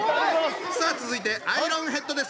さあ続いてアイロンヘッドです。